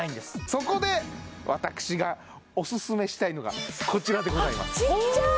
そこで私がオススメしたいのがこちらでございますちっちゃい！